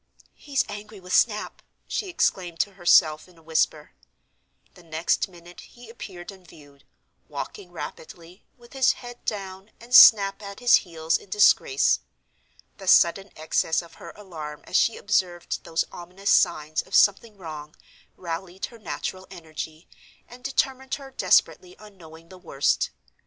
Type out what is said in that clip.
"He's angry with Snap!" she exclaimed to herself in a whisper. The next minute he appeared in view; walking rapidly, with his head down and Snap at his heels in disgrace. The sudden excess of her alarm as she observed those ominous signs of something wrong rallied her natural energy, and determined her desperately on knowing the worst.